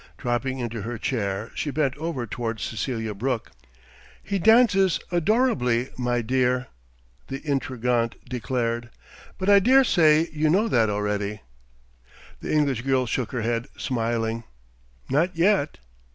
Dropping into her chair, she bent over toward Cecelia Brooke. "He dances adorably, my dear!" the intrigante declared. "But I dare say you know that already." The English girl shook her head, smiling. "Not yet."